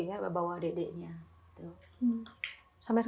ya mau terapi ya